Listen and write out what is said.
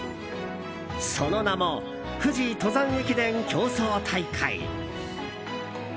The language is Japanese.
その名も、富士登山駅伝競走大会。